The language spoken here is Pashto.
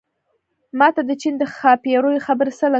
ما ته د چين د ښاپېرو خبرې څه له کوې